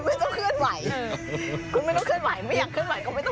คุณไม่ต้องเคลื่อนไหวไม่อยากเคลื่อนไหวก็ไม่ต้องเคลื่อนไหว